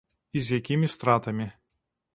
І з якімі стратамі.